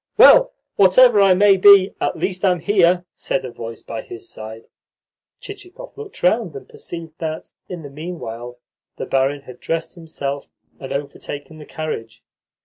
"Well, whatever I may be, at least I'm here," said a voice by his side. Chichikov looked round, and perceived that, in the meanwhile, the barin had dressed himself and overtaken the carriage.